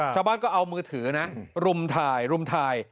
ชาวบ้านก็เอามือถือนะรุมถ่ายรุมถ่าย